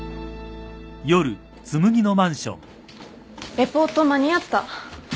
レポート間に合った？